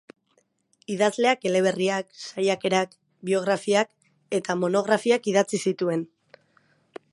Idazleak eleberriak, saiakerak, biografiak eta monografiak idatzi zituen.